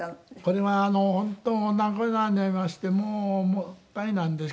これは本当お亡くなりになりましてもうあれなんですけど。